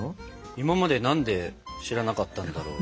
今まで何で知らなかったんだろう。